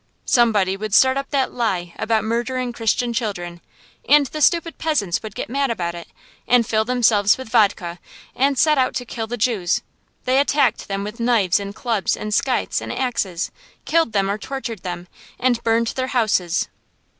Somebody would start up that lie about murdering Christian children, and the stupid peasants would get mad about it, and fill themselves with vodka, and set out to kill the Jews. They attacked them with knives and clubs and scythes and axes, killed them or tortured them, and burned their houses.